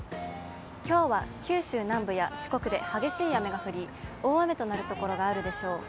きょうは九州南部や四国で激しい雨が降り、大雨となる所があるでしょう。